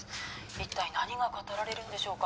一体何が語られるんでしょうか？